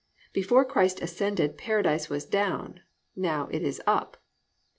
"+ Before Christ ascended Paradise was down, now it is up.